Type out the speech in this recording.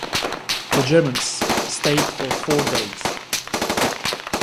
The Germans stayed for four days.